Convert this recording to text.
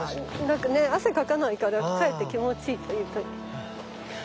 なんかね汗かかないからかえって気持ちいいというか。